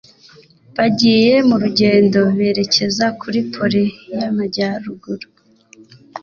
Bagiye mu rugendo berekeza kuri Pole y'Amajyaruguru